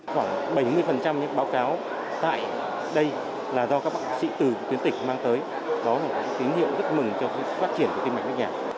khoảng bảy mươi những báo cáo tại đây là do các bác sĩ từ tuyến tỉnh mang tới đó là một tín hiệu rất mừng cho phát triển của tim mạch nước nhà